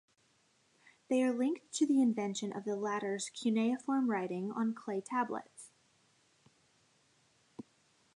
They are linked to the invention of the latter's cuneiform writing on clay tablets.